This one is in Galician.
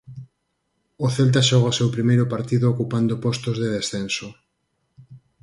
O Celta xoga o seu primeiro partido ocupando postos de descenso.